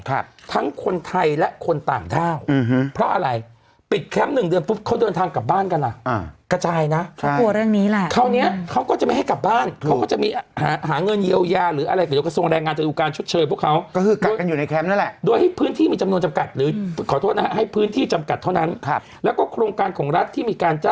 ครับทั้งคนไทยและคนต่างเท่าเพราะอะไรปิดแคมป์๑เดือนปุ๊บเขามาเดินทางกลับบ้านกันละ